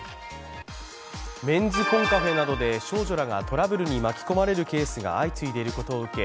メンズ・コンカフェなどで少女らがトラブルに巻き込まれるケースが相次ぐことを受け